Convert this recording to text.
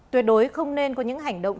tuyệt đối không nên có những hành động